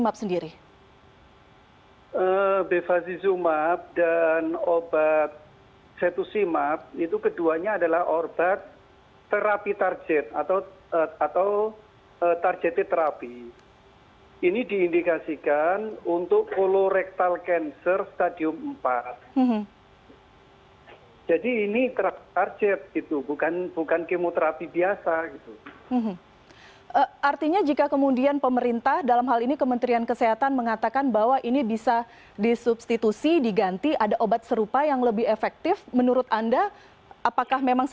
pdib menduga kebijakan tersebut diambil terlebih dahulu sebelum mendengar masukan dari dokter ahli yang menangani kasus